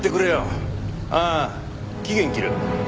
ああ期限切る。